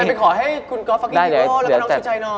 ไปขอให้คุณก๊อฟฟักกี้ฮีโร่แล้วก็น้องชูใจหน่อย